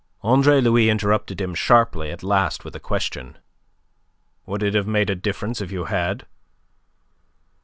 Andre Louis interrupted him sharply at last with a question: "Would it have made a difference if you had?"